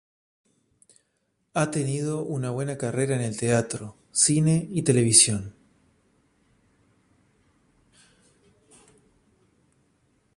Ha tenido una buena carrera en el teatro, cine y televisión.